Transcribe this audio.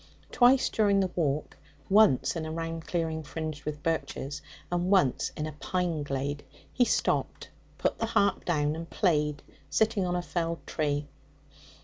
Twice during the walk, once in a round clearing fringed with birches, and once in a pine glade, he stopped, put the harp down and played, sitting on a felled tree.